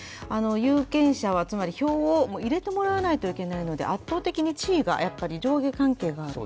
有権者は、つまり票を入れてもらわないといけないので圧倒的に地位が上下関係がある。